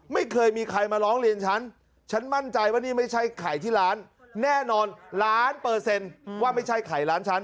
ไม่เคยมีใครมาร้องเรียนฉันฉันมั่นใจว่านี่ไม่ใช่ไข่ที่ร้านแน่นอนล้านเปอร์เซ็นต์ว่าไม่ใช่ไข่ร้านฉัน